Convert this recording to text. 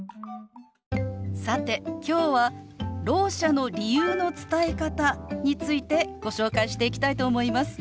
さて今日はろう者の理由の伝え方についてご紹介していきたいと思います。